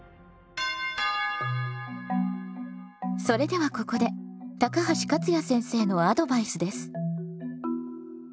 それではここで高橋勝也先生のアドバイスです。